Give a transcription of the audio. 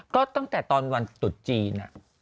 ก็ตั้งแต่ตอนวันตุดจีน